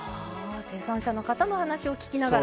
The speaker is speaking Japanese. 生産者の方の話を聞きながら。